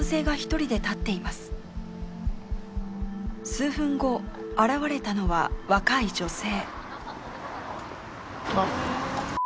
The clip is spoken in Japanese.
数分後現れたのは若い女性。